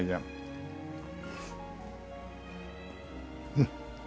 うん。